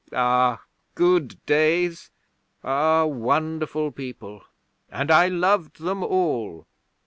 Ah, good days! Ah, wonderful people! And I loved them all.'